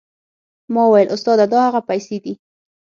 ما وويل استاده دا هغه پيسې دي.